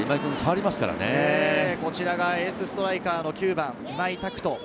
エースストライカーの９番・今井拓人。